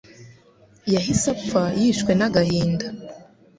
yahise apfa yishwe n'agahinda.